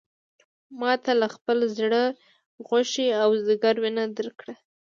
ما تا له خپل زړه غوښې او ځیګر وینه درکړه.